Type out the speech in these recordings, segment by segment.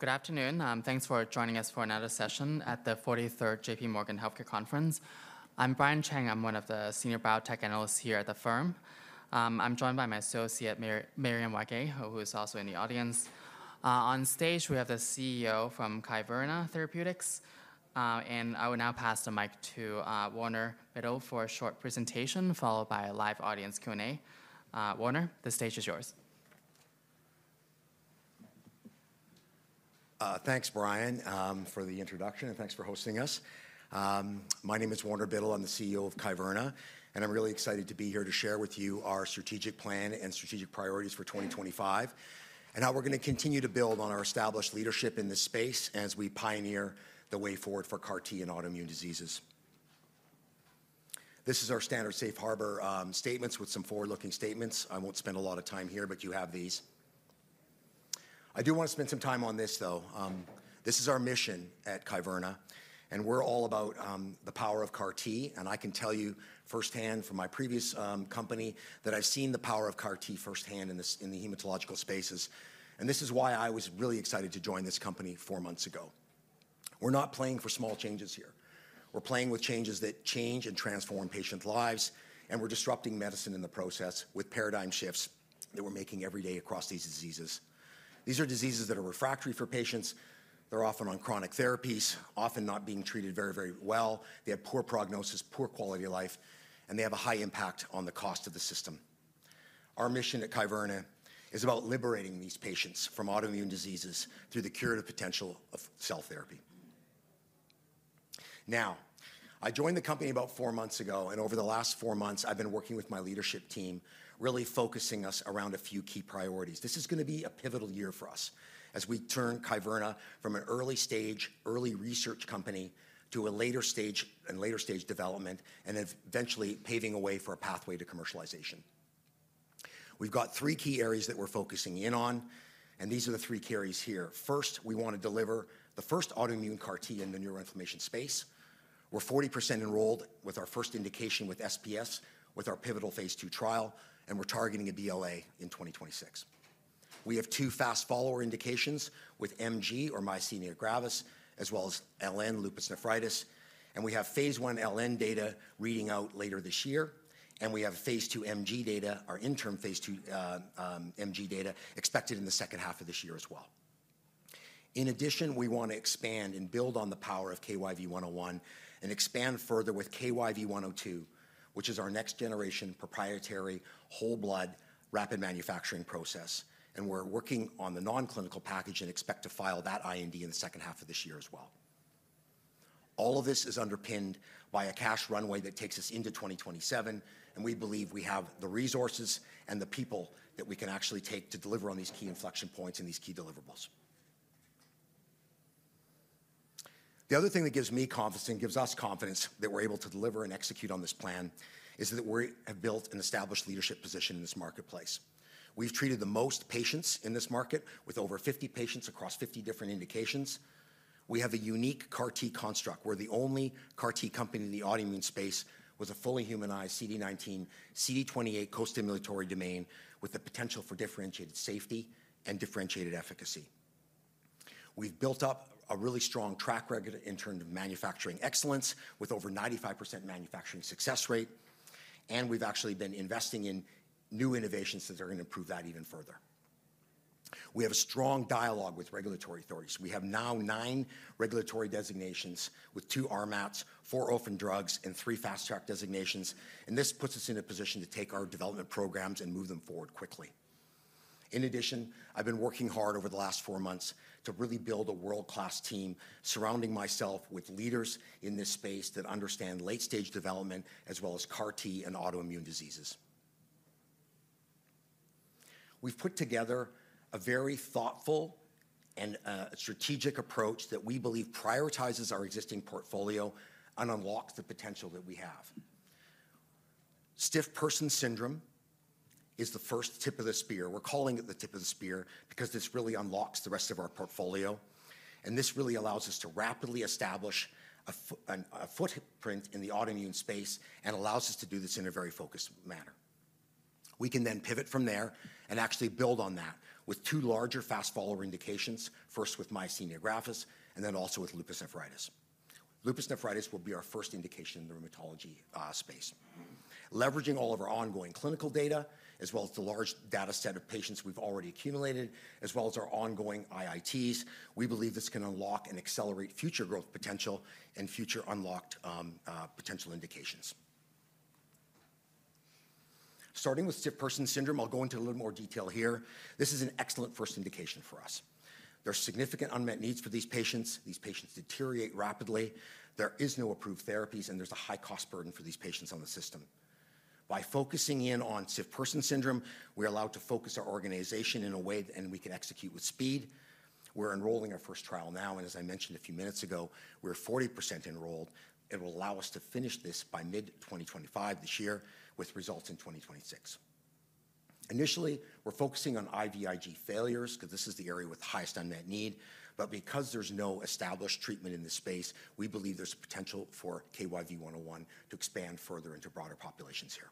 Good afternoon. Thanks for joining us for another session at the 43rd JPMorgan Healthcare Conference. I'm Brian Cheng. I'm one of the senior biotech analysts here at the firm. I'm joined by my associate, Marianne Waggie, who is also in the audience. On stage, we have the CEO from Kyverna Therapeutics. And I will now pass the mic to Warner Biddle for a short presentation, followed by a live audience Q&A. Warner, the stage is yours. Thanks, Brian, for the introduction, and thanks for hosting us. My name is Warner Biddle. I'm the CEO of Kyverna. And I'm really excited to be here to share with you our strategic plan and strategic priorities for 2025, and how we're going to continue to build on our established leadership in this space as we pioneer the way forward for CAR-T and autoimmune diseases. This is our standard safe harbor statements with some forward-looking statements. I won't spend a lot of time here, but you have these. I do want to spend some time on this, though. This is our mission at Kyverna. And we're all about the power of CAR-T. And I can tell you firsthand from my previous company that I've seen the power of CAR-T firsthand in the hematological spaces. And this is why I was really excited to join this company four months ago. We're not playing for small changes here. We're playing with changes that change and transform patient lives. And we're disrupting medicine in the process with paradigm shifts that we're making every day across these diseases. These are diseases that are refractory for patients. They're often on chronic therapies, often not being treated very, very well. They have poor prognosis, poor quality of life, and they have a high impact on the cost of the system. Our mission at Kyverna is about liberating these patients from autoimmune diseases through the curative potential of cell therapy. Now, I joined the company about four months ago. And over the last four months, I've been working with my leadership team, really focusing us around a few key priorities. This is going to be a pivotal year for us as we turn Kyverna from an early-stage, early research company to a later-stage development and eventually paving a way for a pathway to commercialization. We've got three key areas that we're focusing in on. These are the three pillars here. First, we want to deliver the first autoimmune CAR-T in the neuroinflammation space. We're 40% enrolled with our first indication with SPS, with our pivotal Phase II trial. We're targeting a BLA in 2026. We have two fast-follower indications with MG, or myasthenia gravis, as well as LN, lupus nephritis. We have Phase I LN data reading out later this year. We have Phase II MG data, our interim Phase II MG data, expected in the second half of this year as well. In addition, we want to expand and build on the power of KYV101 and expand further with KYV102, which is our next-generation proprietary whole-blood rapid manufacturing process, and we're working on the non-clinical package and expect to file that IND in the second half of this year as well. All of this is underpinned by a cash runway that takes us into 2027, and we believe we have the resources and the people that we can actually take to deliver on these key inflection points and these key deliverables. The other thing that gives me confidence and gives us confidence that we're able to deliver and execute on this plan is that we have built an established leadership position in this marketplace. We've treated the most patients in this market with over 50 patients across 50 different indications. We have a unique CAR-T construct. We're the only CAR-T company in the autoimmune space with a fully humanized CD19, CD28 co-stimulatory domain with the potential for differentiated safety and differentiated efficacy. We've built up a really strong track record in terms of manufacturing excellence with over 95% manufacturing success rate. And we've actually been investing in new innovations that are going to improve that even further. We have a strong dialogue with regulatory authorities. We have now nine regulatory designations with two RMATs, four Orphan drugs, and three fast-track designations. And this puts us in a position to take our development programs and move them forward quickly. In addition, I've been working hard over the last four months to really build a world-class team surrounding myself with leaders in this space that understand late-stage development as well as CAR-T and autoimmune diseases. We've put together a very thoughtful and strategic approach that we believe prioritizes our existing portfolio and unlocks the potential that we have. Stiff-Person Syndrome is the first tip of the spear. We're calling it the tip of the spear because this really unlocks the rest of our portfolio. And this really allows us to rapidly establish a footprint in the autoimmune space and allows us to do this in a very focused manner. We can then pivot from there and actually build on that with two larger fast-follower indications, first with Myasthenia Gravis and then also with Lupus Nephritis. Lupus Nephritis will be our first indication in the rheumatology space. Leveraging all of our ongoing clinical data, as well as the large data set of patients we've already accumulated, as well as our ongoing IITs, we believe this can unlock and accelerate future growth potential and future unlocked potential indications. Starting with Stiff-Person Syndrome, I'll go into a little more detail here. This is an excellent first indication for us. There are significant unmet needs for these patients. These patients deteriorate rapidly. There are no approved therapies, and there's a high cost burden for these patients on the system. By focusing in on Stiff-Person Syndrome, we are allowed to focus our organization in a way that we can execute with speed. We're enrolling our first trial now. And as I mentioned a few minutes ago, we're 40% enrolled. It will allow us to finish this by mid-2025 this year with results in 2026. Initially, we're focusing on IVIg failures because this is the area with the highest unmet need. But because there's no established treatment in this space, we believe there's a potential for KYV101 to expand further into broader populations here.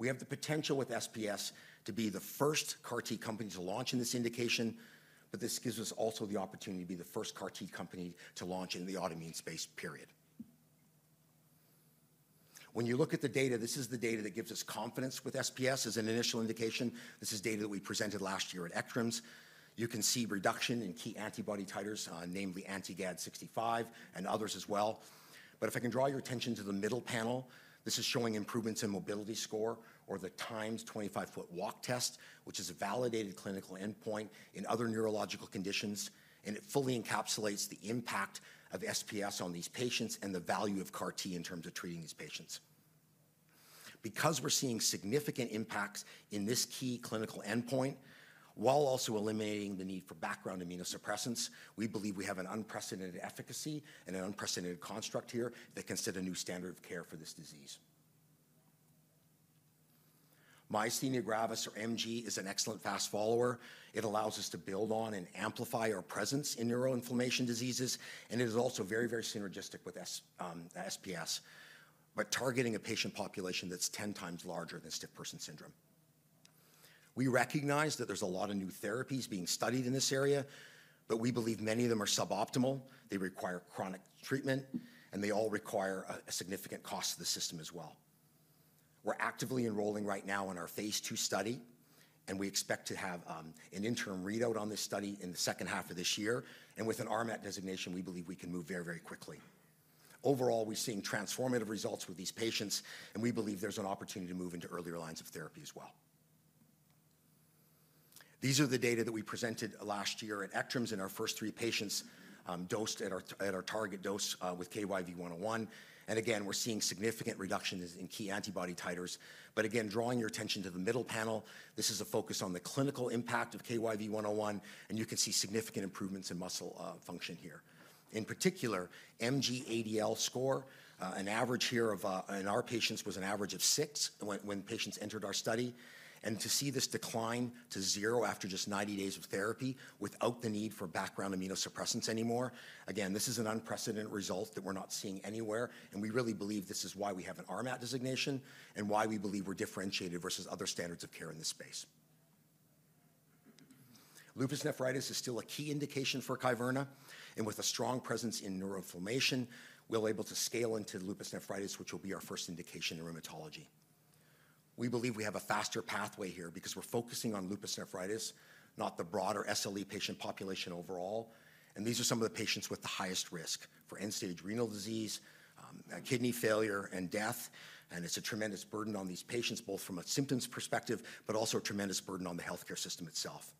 We have the potential with SPS to be the first CAR-T company to launch in this indication. But this gives us also the opportunity to be the first CAR-T company to launch in the autoimmune space, period. When you look at the data, this is the data that gives us confidence with SPS as an initial indication. This is data that we presented last year at ECTRIMS. You can see reduction in key antibody titers, namely anti-GAD65 and others as well. But if I can draw your attention to the middle panel, this is showing improvements in mobility score or the timed 25-foot walk test, which is a validated clinical endpoint in other neurological conditions. And it fully encapsulates the impact of SPS on these patients and the value of CAR-T in terms of treating these patients. Because we're seeing significant impacts in this key clinical endpoint, while also eliminating the need for background immunosuppressants, we believe we have an unprecedented efficacy and an unprecedented construct here that can set a new standard of care for this disease. Myasthenia Gravis, or MG, is an excellent fast-follower. It allows us to build on and amplify our presence in neuroinflammation diseases. And it is also very, very synergistic with SPS, but targeting a patient population that's 10x larger than Stiff-Person Syndrome. We recognize that there's a lot of new therapies being studied in this area, but we believe many of them are suboptimal. They require chronic treatment, and they all require a significant cost to the system as well. We're actively enrolling right now in our Phase II study. And we expect to have an interim readout on this study in the second half of this year. And with an RMAT designation, we believe we can move very, very quickly. Overall, we're seeing transformative results with these patients. And we believe there's an opportunity to move into earlier lines of therapy as well. These are the data that we presented last year at ECTRIMS in our first three patients dosed at our target dose with KYV101. And again, we're seeing significant reductions in key antibody titers. Again, drawing your attention to the middle panel, this is a focus on the clinical impact of KYV101. And you can see significant improvements in muscle function here. In particular, MG-ADL score. An average in our patients was six when patients entered our study. And to see this decline to zero after just 90 days of therapy without the need for background immunosuppressants anymore. Again, this is an unprecedented result that we're not seeing anywhere. And we really believe this is why we have an RMAT designation and why we believe we're differentiated versus other standards of care in this space. Lupus nephritis is still a key indication for Kyverna. And with a strong presence in neuroinflammation, we're able to scale into lupus nephritis, which will be our first indication in rheumatology. We believe we have a faster pathway here because we're focusing on lupus nephritis, not the broader SLE patient population overall. And these are some of the patients with the highest risk for end-stage renal disease, kidney failure, and death. And it's a tremendous burden on these patients, both from a symptoms perspective, but also a tremendous burden on the healthcare system itself.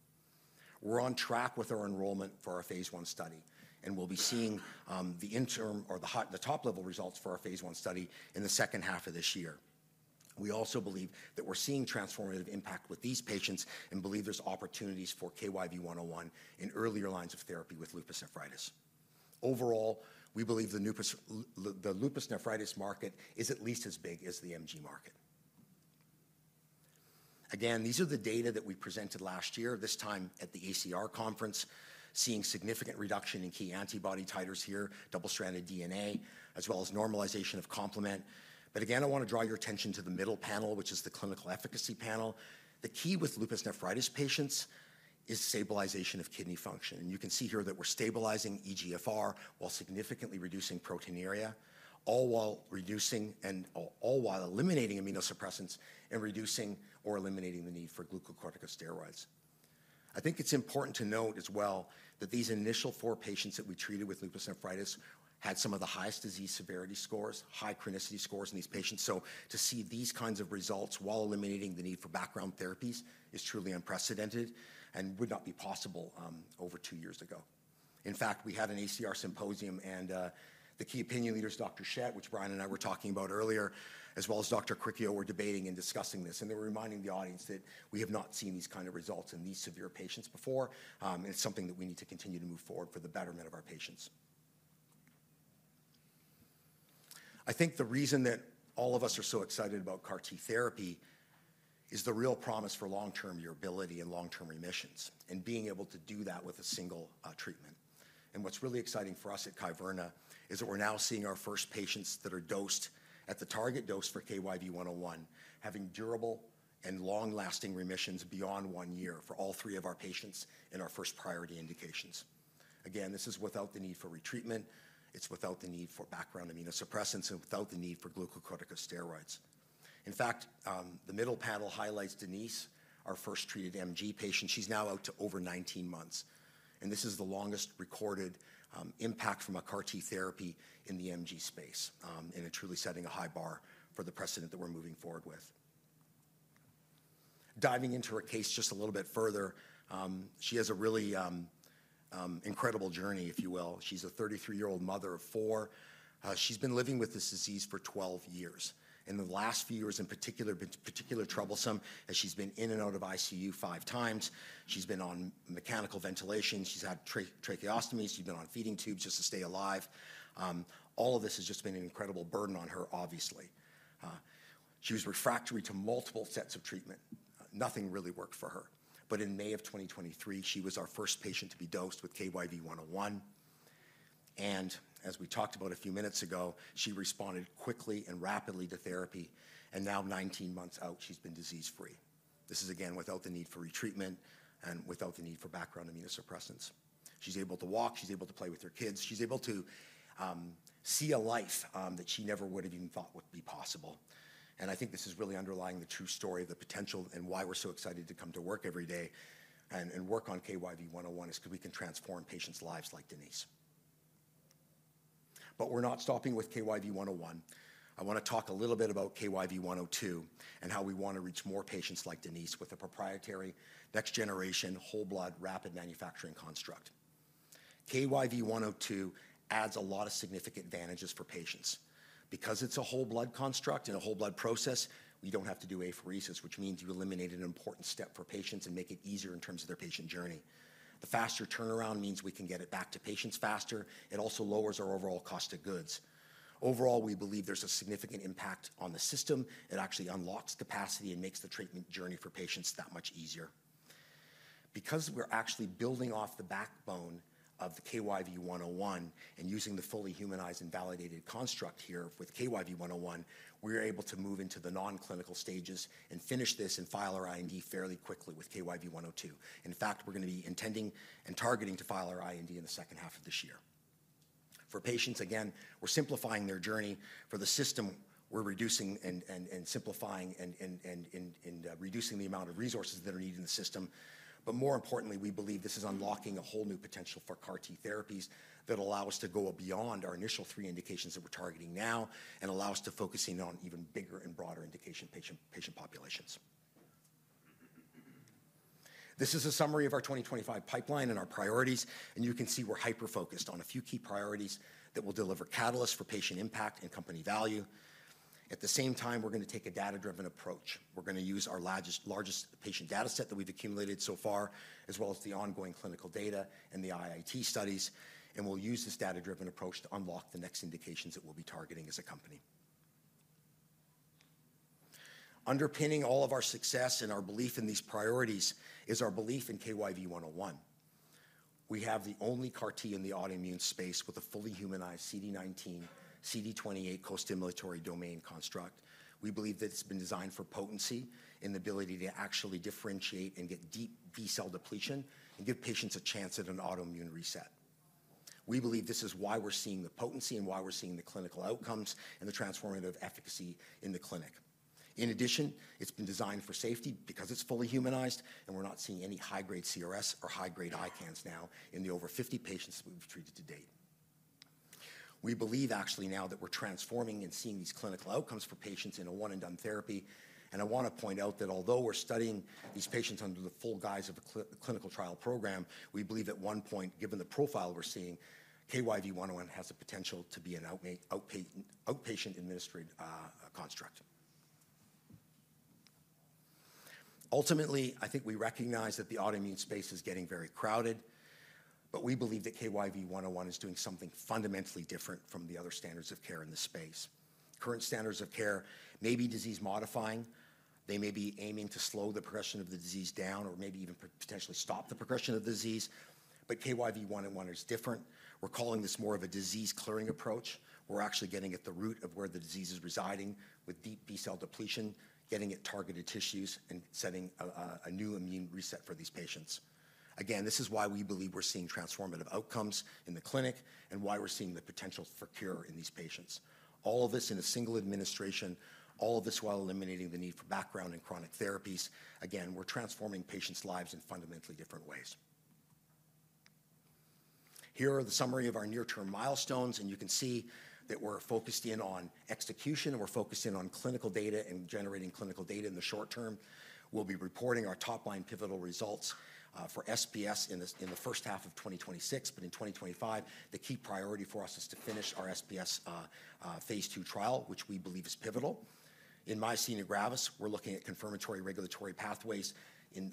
We're on track with our enrollment for our Phase I study. And we'll be seeing the interim or the top-level results for our Phase I study in the second half of this year. We also believe that we're seeing transformative impact with these patients and believe there's opportunities for KYV101 in earlier lines of therapy with lupus nephritis. Overall, we believe the lupus nephritis market is at least as big as the MG market. Again, these are the data that we presented last year, this time at the ACR conference, seeing significant reduction in key antibody titers here, double-stranded DNA, as well as normalization of complement. But again, I want to draw your attention to the middle panel, which is the clinical efficacy panel. The key with lupus nephritis patients is stabilization of kidney function. And you can see here that we're stabilizing eGFR while significantly reducing proteinuria, all while reducing and all while eliminating immunosuppressants and reducing or eliminating the need for glucocorticosteroids. I think it's important to note as well that these initial four patients that we treated with lupus nephritis had some of the highest disease severity scores, high chronicity scores in these patients. So to see these kinds of results while eliminating the need for background therapies is truly unprecedented and would not be possible over two years ago. In fact, we had an ACR symposium. And the key opinion leaders, Dr. Schett, which Brian and I were talking about earlier, as well as Dr. Caricchio, were debating and discussing this. And they were reminding the audience that we have not seen these kinds of results in these severe patients before. And it's something that we need to continue to move forward for the betterment of our patients. I think the reason that all of us are so excited about CAR-T therapy is the real promise for long-term durability and long-term remissions and being able to do that with a single treatment. And what's really exciting for us at Kyverna is that we're now seeing our first patients that are dosed at the target dose for KYV101 having durable and long-lasting remissions beyond one year for all three of our patients in our first priority indications. Again, this is without the need for retreatment. It's without the need for background immunosuppressants and without the need for glucocorticosteroids. In fact, the middle panel highlights Denise, our first treated MG patient. She's now out to over 19 months, and this is the longest recorded impact from a CAR-T therapy in the MG space and truly setting a high bar for the precedent that we're moving forward with. Diving into her case just a little bit further, she has a really incredible journey, if you will. She's a 33-year-old mother of four. She's been living with this disease for 12 years, and the last few years in particular have been particularly troublesome as she's been in and out of ICU 5x. She's been on mechanical ventilation. She's had tracheostomies. She's been on feeding tubes just to stay alive. All of this has just been an incredible burden on her, obviously. She was refractory to multiple sets of treatment. Nothing really worked for her. But in May of 2023, she was our first patient to be dosed with KYV101. And as we talked about a few minutes ago, she responded quickly and rapidly to therapy. And now, 19 months out, she's been disease-free. This is again without the need for retreatment and without the need for background immunosuppressants. She's able to walk. She's able to play with her kids. She's able to see a life that she never would have even thought would be possible. And I think this is really underlying the true story of the potential and why we're so excited to come to work every day and work on KYV101 is because we can transform patients' lives like Denise. But we're not stopping with KYV101. I want to talk a little bit about KYV102 and how we want to reach more patients like Denise with a proprietary next-generation whole blood rapid manufacturing construct. KYV102 adds a lot of significant advantages for patients. Because it's a whole blood construct and a whole blood process, we don't have to do apheresis, which means you eliminate an important step for patients and make it easier in terms of their patient journey. The faster turnaround means we can get it back to patients faster. It also lowers our overall cost of goods. Overall, we believe there's a significant impact on the system. It actually unlocks capacity and makes the treatment journey for patients that much easier. Because we're actually building off the backbone of the KYV101 and using the fully humanized and validated construct here with KYV101, we're able to move into the non-clinical stages and finish this and file our IND fairly quickly with KYV102. In fact, we're going to be intending and targeting to file our IND in the second half of this year. For patients, again, we're simplifying their journey. For the system, we're reducing and simplifying and reducing the amount of resources that are needed in the system. But more importantly, we believe this is unlocking a whole new potential for CAR-T therapies that will allow us to go beyond our initial three indications that we're targeting now and allow us to focus in on even bigger and broader indication patient populations. This is a summary of our 2025 pipeline and our priorities. And you can see we're hyper-focused on a few key priorities that will deliver catalysts for patient impact and company value. At the same time, we're going to take a data-driven approach. We're going to use our largest patient data set that we've accumulated so far, as well as the ongoing clinical data and the IIT studies. And we'll use this data-driven approach to unlock the next indications that we'll be targeting as a company. Underpinning all of our success and our belief in these priorities is our belief in KYV101. We have the only CAR-T in the autoimmune space with a fully humanized CD19, CD28 co-stimulatory domain construct. We believe that it's been designed for potency and the ability to actually differentiate and get deep B-cell depletion and give patients a chance at an autoimmune reset. We believe this is why we're seeing the potency and why we're seeing the clinical outcomes and the transformative efficacy in the clinic. In addition, it's been designed for safety because it's fully humanized. And we're not seeing any high-grade CRS or high-grade ICANS now in the over 50 patients that we've treated to date. We believe actually now that we're transforming and seeing these clinical outcomes for patients in a one-and-done therapy. And I want to point out that although we're studying these patients under the full guise of a clinical trial program, we believe at one point, given the profile we're seeing, KYV101 has the potential to be an outpatient-administered construct. Ultimately, I think we recognize that the autoimmune space is getting very crowded. But we believe that KYV101 is doing something fundamentally different from the other standards of care in this space. Current standards of care may be disease-modifying. They may be aiming to slow the progression of the disease down or maybe even potentially stop the progression of the disease, but KYV101 is different. We're calling this more of a disease-clearing approach. We're actually getting at the root of where the disease is residing with deep B-cell depletion, getting at targeted tissues and setting a new immune reset for these patients. Again, this is why we believe we're seeing transformative outcomes in the clinic and why we're seeing the potential for cure in these patients. All of this in a single administration, all of this while eliminating the need for background and chronic therapies. Again, we're transforming patients' lives in fundamentally different ways. Here is the summary of our near-term milestones, and you can see that we're focused in on execution. We're focused in on clinical data and generating clinical data in the short term. We'll be reporting our top-line pivotal results for SPS in the first half of 2026. But in 2025, the key priority for us is to finish our SPS Phase II trial, which we believe is pivotal. In myasthenia gravis, we're looking at confirmatory regulatory pathways and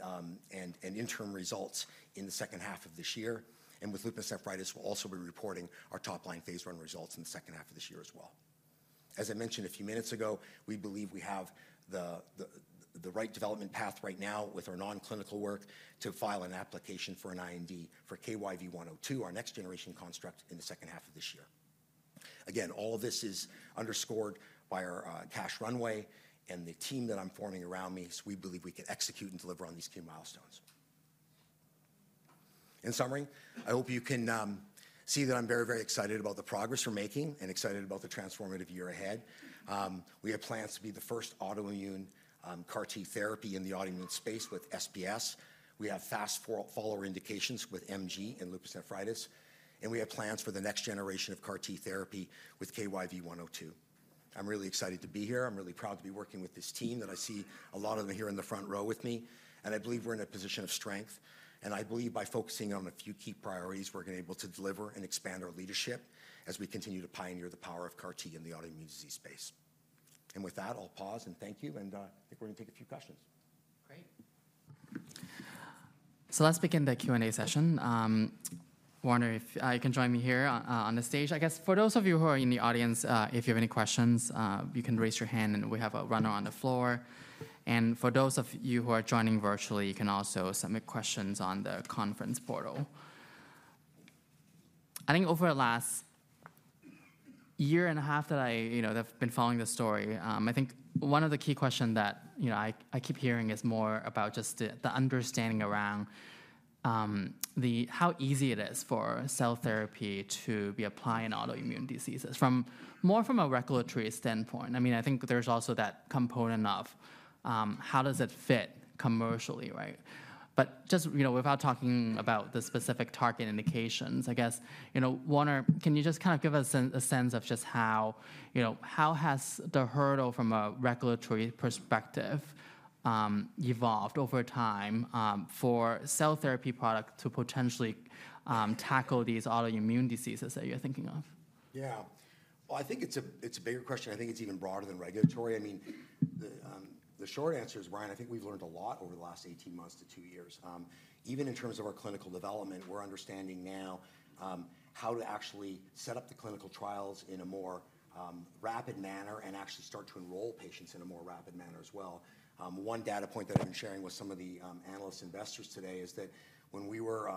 interim results in the second half of this year. And with lupus nephritis, we'll also be reporting our top-line Phase I results in the second half of this year as well. As I mentioned a few minutes ago, we believe we have the right development path right now with our non-clinical work to file an application for an IND for KYV102, our next-generation construct in the second half of this year. Again, all of this is underscored by our cash runway and the team that I'm forming around me. So we believe we can execute and deliver on these key milestones. In summary, I hope you can see that I'm very, very excited about the progress we're making and excited about the transformative year ahead. We have plans to be the first autoimmune CAR-T therapy in the autoimmune space with SPS. We have fast-follower indications with MG and lupus nephritis. And we have plans for the next generation of CAR-T therapy with KYV102. I'm really excited to be here. I'm really proud to be working with this team that I see a lot of them here in the front row with me. And I believe we're in a position of strength. And I believe by focusing on a few key priorities, we're going to be able to deliver and expand our leadership as we continue to pioneer the power of CAR-T in the autoimmune disease space. With that, I'll pause and thank you. I think we're going to take a few questions. Great. Let's begin the Q&A session. Warner, if you can join me here on the stage. I guess for those of you who are in the audience, if you have any questions, you can raise your hand and we have a runner on the floor. For those of you who are joining virtually, you can also submit questions on the conference portal. I think over the last year and a half that I've been following this story, I think one of the key questions that I keep hearing is more about just the understanding around how easy it is for cell therapy to be applied in autoimmune diseases more from a regulatory standpoint. I mean, I think there's also that component of how does it fit commercially, right? But just without talking about the specific target indications, I guess, Warner, can you just kind of give us a sense of just how has the hurdle from a regulatory perspective evolved over time for cell therapy products to potentially tackle these autoimmune diseases that you're thinking of? Yeah. Well, I think it's a bigger question. I think it's even broader than regulatory. I mean, the short answer is, Brian, I think we've learned a lot over the last 18 months to two years. Even in terms of our clinical development, we're understanding now how to actually set up the clinical trials in a more rapid manner and actually start to enroll patients in a more rapid manner as well. One data point that I've been sharing with some of the analysts and investors today is that when we were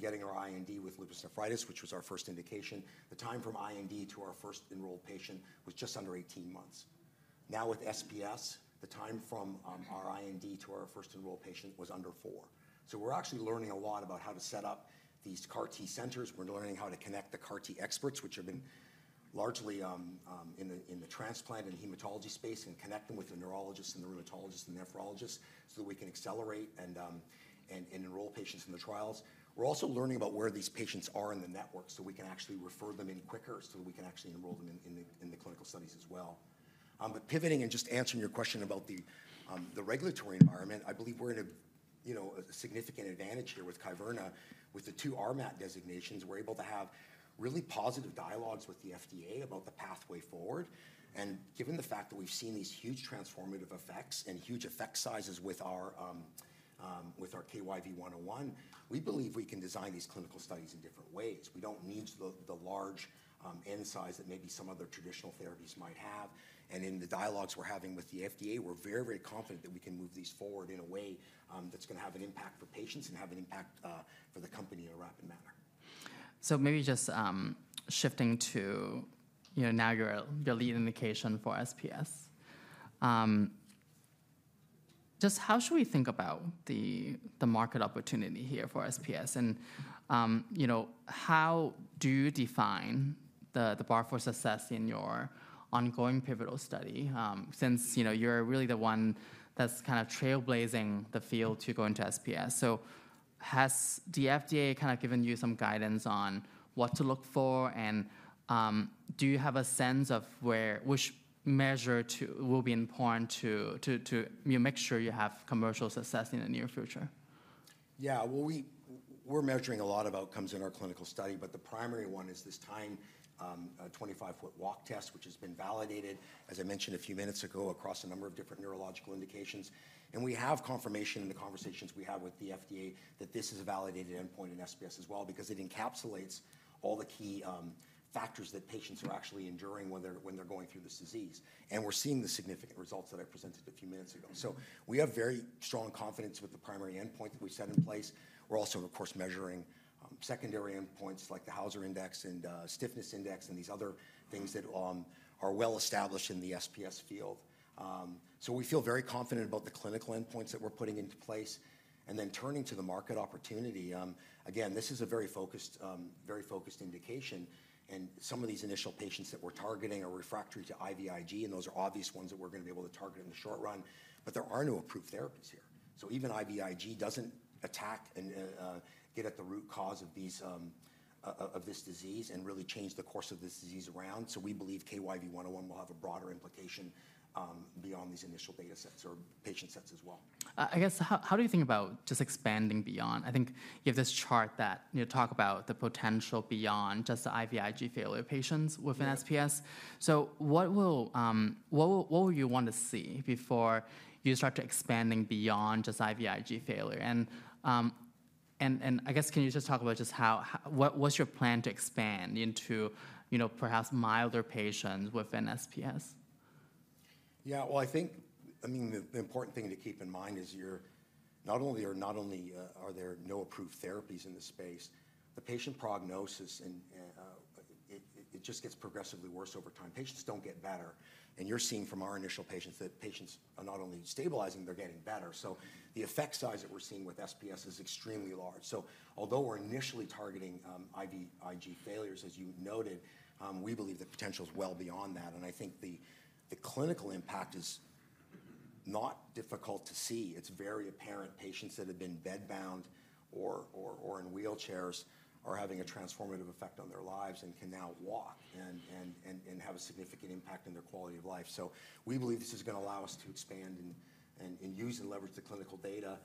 getting our IND with lupus nephritis, which was our first indication, the time from IND to our first enrolled patient was just under 18 months. Now with SPS, the time from our IND to our first enrolled patient was under four. So we're actually learning a lot about how to set up these CAR-T centers. We're learning how to connect the CAR-T experts, which have been largely in the transplant and hematology space, and connect them with the neurologists and the rheumatologists and nephrologists so that we can accelerate and enroll patients in the trials. We're also learning about where these patients are in the network so we can actually refer them in quicker so that we can actually enroll them in the clinical studies as well. Pivoting and just answering your question about the regulatory environment, I believe we're in a significant advantage here with Kyverna with the two RMAT designations. We're able to have really positive dialogues with the FDA about the pathway forward. And given the fact that we've seen these huge transformative effects and huge effect sizes with our KYV101, we believe we can design these clinical studies in different ways. We don't need the large n size that maybe some other traditional therapies might have. And in the dialogues we're having with the FDA, we're very, very confident that we can move these forward in a way that's going to have an impact for patients and have an impact for the company in a rapid manner. So maybe just shifting to now your lead indication for SPS, just how should we think about the market opportunity here for SPS? And how do you define the bar for success in your ongoing pivotal study since you're really the one that's kind of trailblazing the field to go into SPS? So has the FDA kind of given you some guidance on what to look for? And do you have a sense of which measure will be important to make sure you have commercial success in the near future? Yeah. Well, we're measuring a lot of outcomes in our clinical study. But the primary one is this 25-foot walk test, which has been validated, as I mentioned a few minutes ago, across a number of different neurological indications. And we have confirmation in the conversations we have with the FDA that this is a validated endpoint in SPS as well because it encapsulates all the key factors that patients are actually enduring when they're going through this disease. And we're seeing the significant results that I presented a few minutes ago. So we have very strong confidence with the primary endpoint that we set in place. We're also, of course, measuring secondary endpoints like the Hauser index and stiffness index and these other things that are well established in the SPS field. So we feel very confident about the clinical endpoints that we're putting into place. And then turning to the market opportunity, again, this is a very focused indication. And some of these initial patients that we're targeting are refractory to IVIg. And those are obvious ones that we're going to be able to target in the short run. But there are no approved therapies here. So even IVIg doesn't attack and get at the root cause of this disease and really change the course of this disease around. So we believe KYV101 will have a broader implication beyond these initial data sets or patient sets as well. I guess, how do you think about just expanding beyond? I think you have this chart that talks about the potential beyond just the IVIg failure patients within SPS. So what will you want to see before you start to expand beyond just IVIg failure? And I guess, can you just talk about just what's your plan to expand into perhaps milder patients within SPS? Yeah. Well, I think, I mean, the important thing to keep in mind is not only are there no approved therapies in this space, the patient prognosis. It just gets progressively worse over time. Patients don't get better. And you're seeing from our initial patients that patients are not only stabilizing, they're getting better. So the effect size that we're seeing with SPS is extremely large. So although we're initially targeting IVIg failures, as you noted, we believe the potential is well beyond that. And I think the clinical impact is not difficult to see. It's very apparent. Patients that have been bedbound or in wheelchairs are having a transformative effect on their lives and can now walk and have a significant impact in their quality of life. So we believe this is going to allow us to expand and use and leverage the clinical data.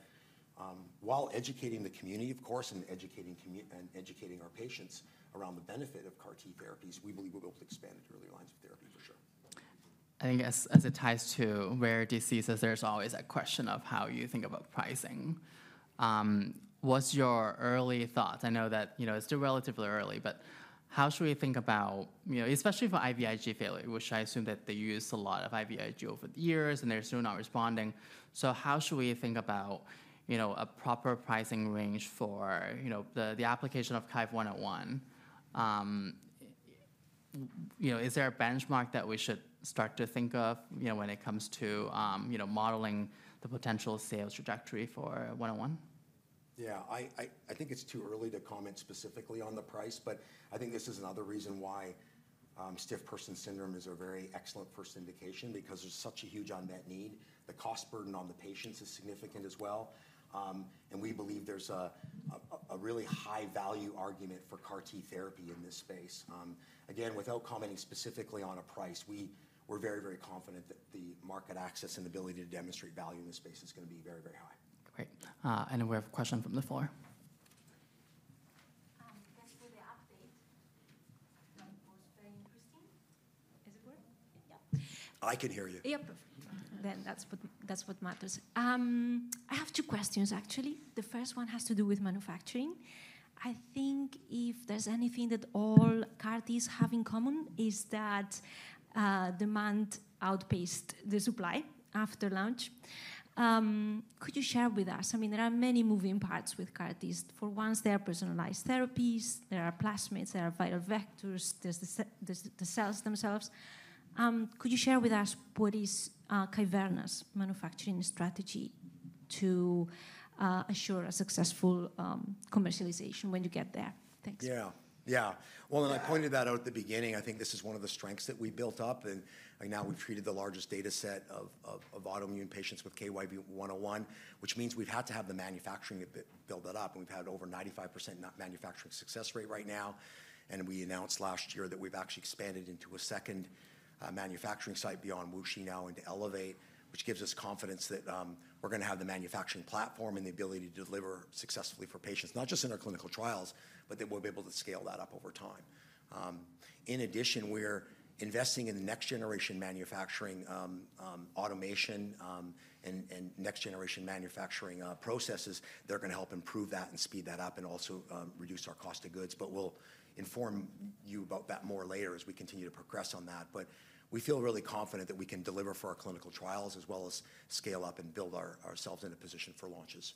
While educating the community, of course, and educating our patients around the benefit of CAR-T therapies, we believe we'll be able to expand the early lines of therapy for sure. I think as it ties to rare diseases, there's always a question of how you think about pricing. What's your early thoughts? I know that it's still relatively early. But how should we think about, especially for IVIg failure, which I assume that they used a lot of IVIg over the years and they're still not responding? So how should we think about a proper pricing range for the application of KYV101? Is there a benchmark that we should start to think of when it comes to modeling the potential sales trajectory for 101? Yeah. I think it's too early to comment specifically on the price. But I think this is another reason why stiff person syndrome is a very excellent first indication because there's such a huge unmet need. The cost burden on the patients is significant as well. And we believe there's a really high-value argument for CAR-T therapy in this space. Again, without commenting specifically on a price, we're very, very confident that the market access and ability to demonstrate value in this space is going to be very, very high. Great. And we have a question from the floor. Thanks for the update. That was very interesting. Is it good? Yeah. I can hear you. Yeah. Perfect. Then that's what matters. I have two questions, actually. The first one has to do with manufacturing. I think if there's anything that all CAR-Ts have in common is that demand outpaced the supply after launch. Could you share with us? I mean, there are many moving parts with CAR-Ts. For one, there are personalized therapies. There are plasmids. There are viral vectors. There's the cells themselves. Could you share with us what is Kyverna's manufacturing strategy to assure a successful commercialization when you get there? Thanks. Yeah. Yeah. Well, and I pointed that out at the beginning. I think this is one of the strengths that we built up. And now we've treated the largest data set of autoimmune patients with KYV101, which means we've had to have the manufacturing build it up. And we've had over 95% manufacturing success rate right now. And we announced last year that we've actually expanded into a second manufacturing site beyond WuXi now and to Elevate, which gives us confidence that we're going to have the manufacturing platform and the ability to deliver successfully for patients, not just in our clinical trials, but that we'll be able to scale that up over time. In addition, we're investing in next-generation manufacturing automation and next-generation manufacturing processes. They're going to help improve that and speed that up and also reduce our cost of goods. But we'll inform you about that more later as we continue to progress on that. But we feel really confident that we can deliver for our clinical trials as well as scale up and build ourselves into position for launches.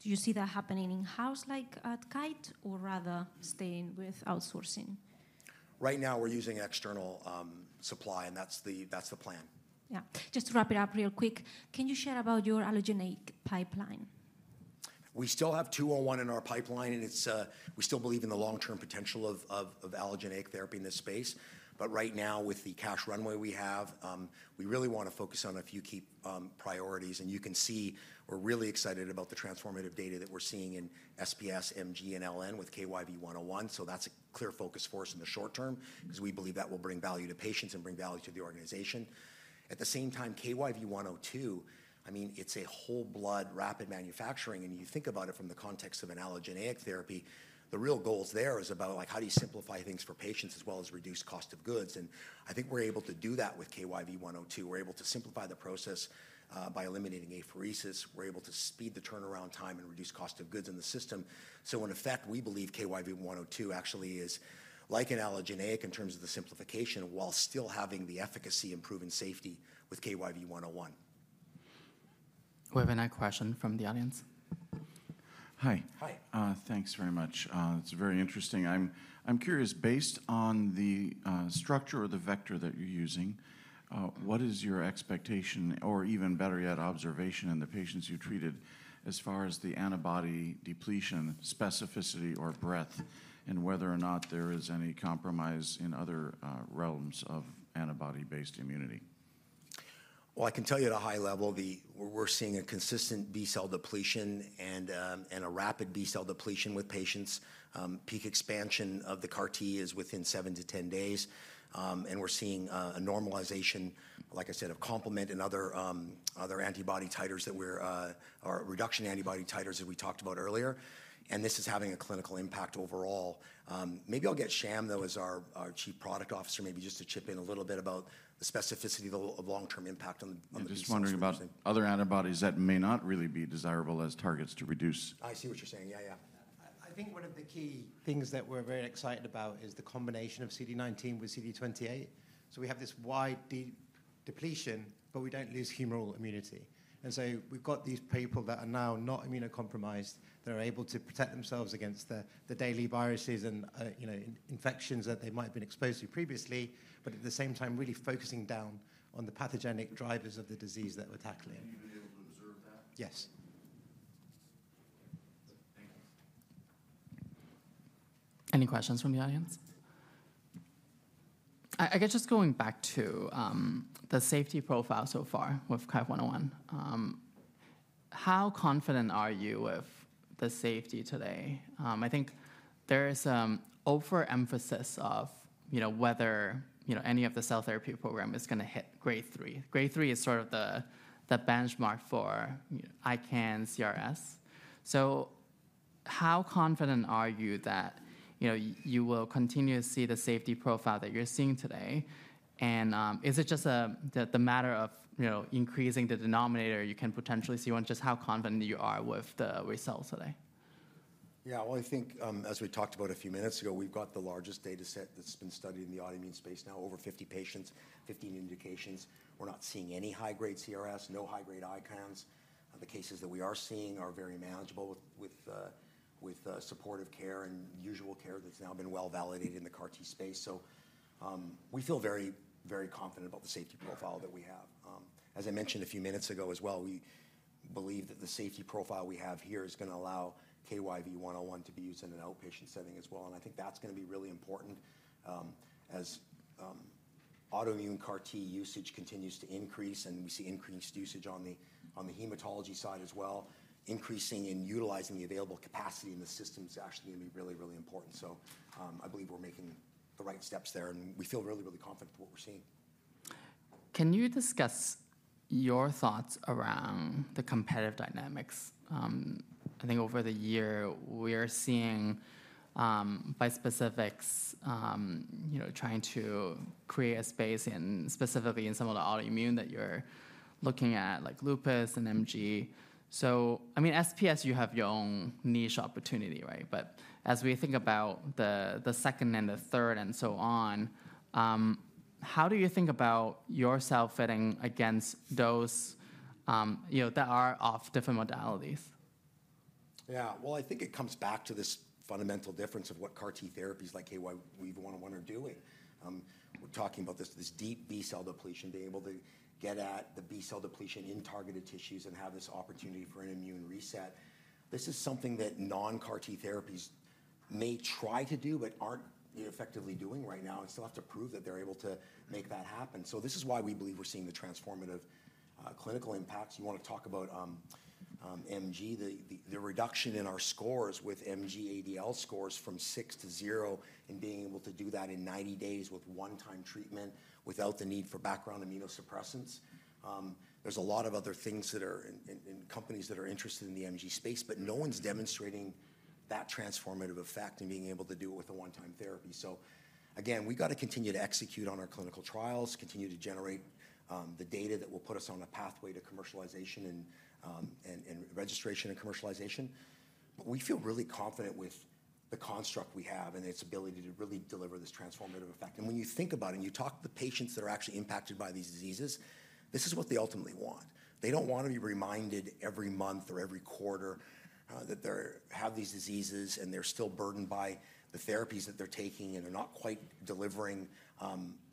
Do you see that happening in-house like at Kite or rather staying with outsourcing? Right now, we're using external supply. And that's the plan. Yeah. Just to wrap it up real quick, can you share about your allogeneic pipeline? We still have 201 in our pipeline. And we still believe in the long-term potential of allogeneic therapy in this space. But right now, with the cash runway we have, we really want to focus on a few key priorities. And you can see we're really excited about the transformative data that we're seeing in SPS, MG, and LN with KYV101. So that's a clear focus for us in the short term because we believe that will bring value to patients and bring value to the organization. At the same time, KYV102, I mean, it's a whole blood rapid manufacturing. And you think about it from the context of an allogeneic therapy, the real goals there is about how do you simplify things for patients as well as reduce cost of goods. And I think we're able to do that with KYV102. We're able to simplify the process by eliminating apheresis. We're able to speed the turnaround time and reduce cost of goods in the system. So in effect, we believe KYV102 actually is like an allogeneic in terms of the simplification while still having the efficacy and proven safety with KYV101. We have another question from the audience. Hi. Hi. Thanks very much. It's very interesting. I'm curious, based on the structure or the vector that you're using, what is your expectation or even better yet, observation in the patients you treated as far as the antibody depletion, specificity, or breadth, and whether or not there is any compromise in other realms of antibody-based immunity? I can tell you at a high level, we're seeing a consistent B cell depletion and a rapid B cell depletion with patients. Peak expansion of the CAR-T is within seven to 10 days. We're seeing a normalization, like I said, of complement and other antibody titers that we're reducing antibody titers, as we talked about earlier. This is having a clinical impact overall. Maybe I'll get Sham, though, as our Chief Product Officer, maybe just to chip in a little bit about the specificity of long-term impact on the patients. I'm just wondering about other antibodies that may not really be desirable as targets to reduce. I see what you're saying. Yeah, yeah. I think one of the key things that we're very excited about is the combination of CD19 with CD28. So we have this wide depletion, but we don't lose humoral immunity. And so we've got these people that are now not immunocompromised, that are able to protect themselves against the daily viruses and infections that they might have been exposed to previously, but at the same time, really focusing down on the pathogenic drivers of the disease that we're tackling. Are you able to observe that? Yes. Thank you. Any questions from the audience? I guess just going back to the safety profile so far with KYV101, how confident are you with the safety today? I think there is overemphasis of whether any of the cell therapy program is going to hit Grade 3. Grade 3 is sort of the benchmark for ICANS, CRS. So how confident are you that you will continue to see the safety profile that you're seeing today? And is it just the matter of increasing the denominator you can potentially see one, just how confident you are with the cells today? Yeah. Well, I think as we talked about a few minutes ago, we've got the largest data set that's been studied in the autoimmune space now, over 50 patients, 15 indications. We're not seeing any high-grade CRS, no high-grade ICANS. The cases that we are seeing are very manageable with supportive care and usual care that's now been well validated in the CAR-T space. So we feel very, very confident about the safety profile that we have. As I mentioned a few minutes ago as well, we believe that the safety profile we have here is going to allow KYV101 to be used in an outpatient setting as well. And I think that's going to be really important as autoimmune CAR-T usage continues to increase. And we see increased usage on the hematology side as well. Increasing and utilizing the available capacity in the system is actually going to be really, really important. So I believe we're making the right steps there. And we feel really, really confident with what we're seeing. Can you discuss your thoughts around the competitive dynamics? I think over the year, we are seeing bispecifics trying to create a space specifically in some of the autoimmune that you're looking at, like lupus and MG. So, I mean, SPS, you have your own niche opportunity, right? But as we think about the second and the third and so on, how do you think about yourself fitting against those that are off different modalities? Yeah. Well, I think it comes back to this fundamental difference of what CAR-T therapies like KYV101 are doing. We're talking about this deep B cell depletion, being able to get at the B cell depletion in targeted tissues and have this opportunity for an immune reset. This is something that non-CAR-T therapies may try to do but aren't effectively doing right now, and still have to prove that they're able to make that happen, so this is why we believe we're seeing the transformative clinical impacts. You want to talk about MG, the reduction in our scores with MG-ADL scores from six to zero and being able to do that in 90 days with one-time treatment without the need for background immunosuppressants. There's a lot of other things and companies that are interested in the MG space. But no one's demonstrating that transformative effect and being able to do it with a one-time therapy. So again, we've got to continue to execute on our clinical trials, continue to generate the data that will put us on a pathway to commercialization and registration and commercialization. But we feel really confident with the construct we have and its ability to really deliver this transformative effect. And when you think about it and you talk to the patients that are actually impacted by these diseases, this is what they ultimately want. They don't want to be reminded every month or every quarter that they have these diseases and they're still burdened by the therapies that they're taking and they're not quite delivering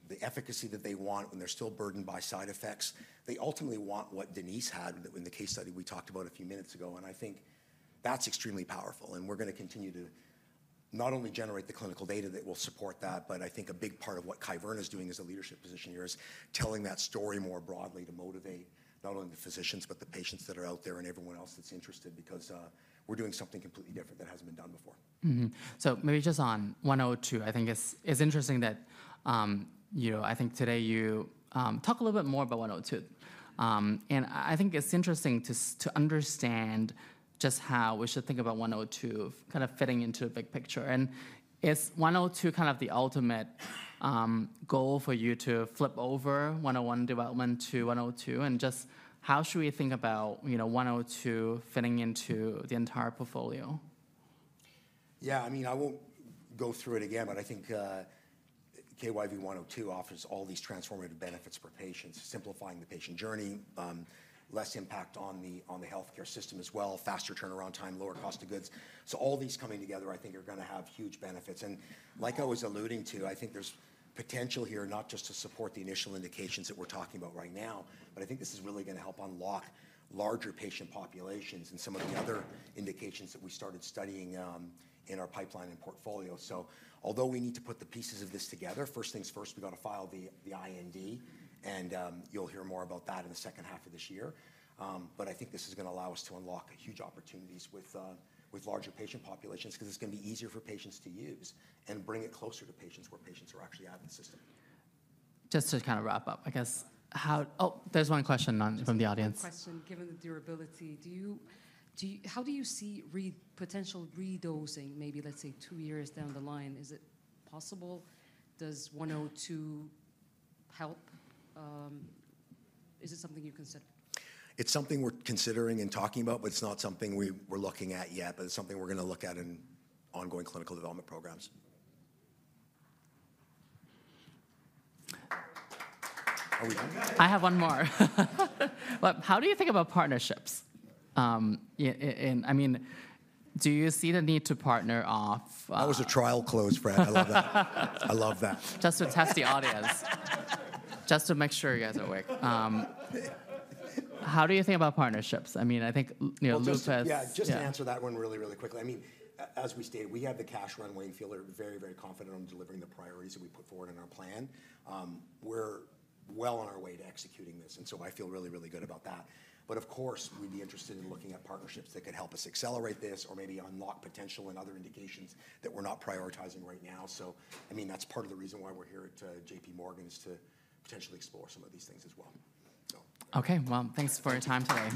the efficacy that they want when they're still burdened by side effects. They ultimately want what Denise had in the case study we talked about a few minutes ago. And I think that's extremely powerful. And we're going to continue to not only generate the clinical data that will support that, but I think a big part of what Kyverna is doing as a leadership position here is telling that story more broadly to motivate not only the physicians but the patients that are out there and everyone else that's interested because we're doing something completely different that hasn't been done before. So maybe just on 102, I think it's interesting that I think today you talk a little more about 102. And I think it's interesting to understand just how we should think about 102 kind of fitting into a big picture. And is 102 kind of the ultimate goal for you to flip over 101 development to 102? And just how should we think about 102 fitting into the entire portfolio? Yeah. I mean, I won't go through it again. But I think KYV102 offers all these transformative benefits for patients, simplifying the patient journey, less impact on the healthcare system as well, faster turnaround time, lower cost of goods. So all these coming together, I think, are going to have huge benefits. And like I was alluding to, I think there's potential here not just to support the initial indications that we're talking about right now, but I think this is really going to help unlock larger patient populations and some of the other indications that we started studying in our pipeline and portfolio. So although we need to put the pieces of this together, first things first, we've got to file the IND. And you'll hear more about that in the second half of this year. But I think this is going to allow us to unlock huge opportunities with larger patient populations because it's going to be easier for patients to use and bring it closer to patients where patients are actually out of the system. Just to kind of wrap up, I guess, how oh, there's one question from the audience. Question. Given the durability, how do you see potential re-dosing, maybe, let's say, two years down the line? Is it possible? Does 102 help? Is it something you consider? It's something we're considering and talking about, but it's not something we're looking at yet. But it's something we're going to look at in ongoing clinical development programs. Are we done? I have one more. But how do you think about partnerships? I mean, do you see the need to partner off? How was the trial closed, Brian? I love that. I love that. Just to test the audience, just to make sure you guys are awake. How do you think about partnerships? I mean, I think lupus-- Yeah, just to answer that one really, really quickly. I mean, as we stated, we have the cash runway and feel very, very confident on delivering the priorities that we put forward in our plan. We're well on our way to executing this. And so I feel really, really good about that. But of course, we'd be interested in looking at partnerships that could help us accelerate this or maybe unlock potential in other indications that we're not prioritizing right now. So I mean, that's part of the reason why we're here at JPMorgan is to potentially explore some of these things as well. Okay. Well, thanks for your time today.